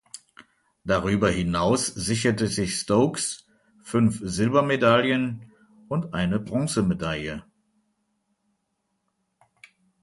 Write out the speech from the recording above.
Darüber hinaus sicherte sich Stokes fünf Silbermedaillen und eine Bronzemedaille.